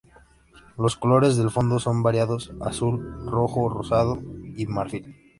Los colores del fondo son variados: azul, rojo rosado y marfil.